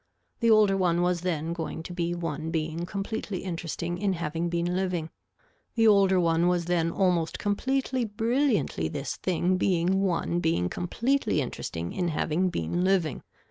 The older one was then going to be one being completely interesting in having been living. The older one was then almost completely brilliantly this thing being one being completely interesting in having been living.